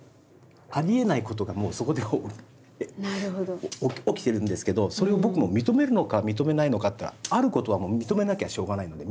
ありえないことがもうそこで起きてるんですけどそれを僕も認めるのか認めないのかっていったらあることはもう認めなきゃしょうがないので認めるんですけど。